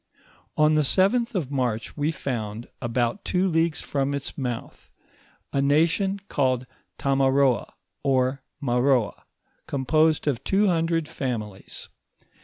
On the 7th of March, we found, about two leagues from its mouth, a nation called Tamaroa, or Maroa, com posed of two hundred familes.